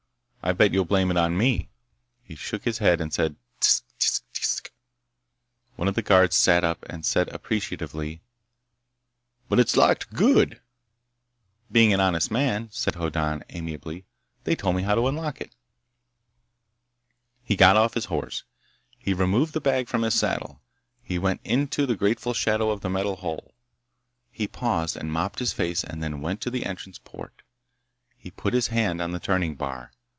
I bet you'll blame it on me!" He shook his head and said "Tsk. Tsk. Tsk." One of the guards sat up and said appreciatively: "But it's locked. Good." "Being an honest man," said Hoddan amiably, "they told me how to unlock it." He got off his horse. He removed the bag from his saddle. He went into the grateful shadow of the metal hull. He paused and mopped his face and then went to the entrance port. He put his hand on the turning bar.